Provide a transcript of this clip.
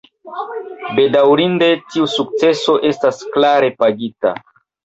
Bedaŭrinde, tiu sukceso estas kare pagita.